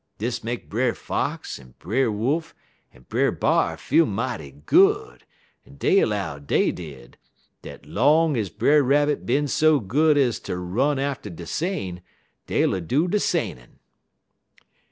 Dis make Brer Fox, en Brer Wolf, en Brer B'ar feel mighty good, en dey 'low, dey did, dat long ez Brer Rabbit been so good ez ter run atter de sane, dey ull do de sanein'.